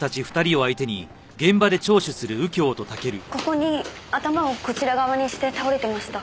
ここに頭をこちら側にして倒れてました。